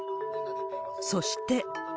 そして。